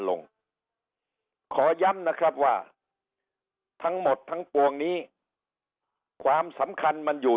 ลงขอย้ำนะครับว่าทั้งหมดทั้งปวงนี้ความสำคัญมันอยู่